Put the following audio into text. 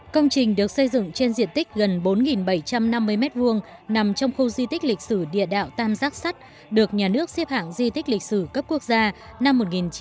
công trình được xây dựng trên diện tích gần bốn bảy trăm năm mươi m hai nằm trong khu di tích lịch sử địa đạo tam giác sắt được nhà nước xếp hạng di tích lịch sử cấp quốc gia năm một nghìn chín trăm bảy mươi